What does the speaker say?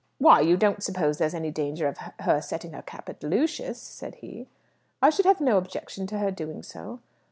"Why, you don't suppose there's any danger of her setting her cap at Lucius?" said he. "I should have no objection to her doing so."